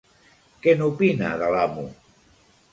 Què n'opina de l'amo?